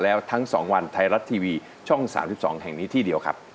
แล้วทั้ง๒วันไทยรัฐทีวีช่อง๓๒แห่งนี้ที่เดียวครับ